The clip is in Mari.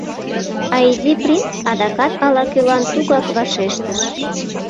А Изи принц адакат ала-кӧлан тугак вашештыш: